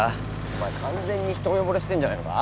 お前完全に一目惚れしてんじゃないのか？